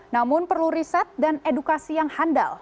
namun perlu riset dan edukasi yang handal